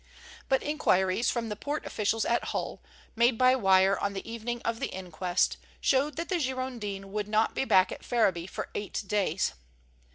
But inquiries from the port officials at Hull, made by wire on the evening of the inquest, showed that the Girondin would not be back at Ferriby for eight days.